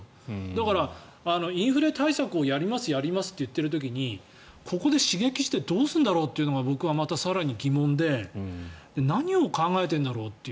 だから、インフレ対策をやります、やりますと言っている時にここで刺激してどうするんだろうというのが僕はまた更に疑問で何を考えてるんだろうと。